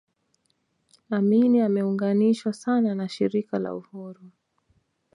Amin ameunganishwa sana na Shirika la Uhuru